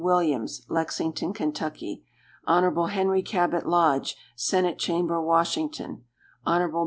Williams, Lexington, Ky. Hon. Henry Cabot Lodge, Senate Chamber, Washington. Hon.